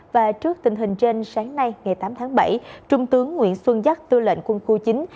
và trước tình hình trên sáng nay ngày tám tháng bảy trung tướng nguyễn xuân giáp tư lệnh quân khu chín